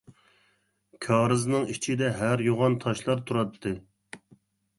كارىزنىڭ ئىچىدە ھەر يوغان تاشلار تۇراتتى.